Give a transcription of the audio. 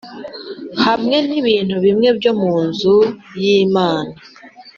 hamwe n’ibintu bimwe byo mu nzu y’Imana